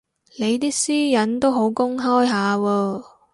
你啲私隱都好公開下喎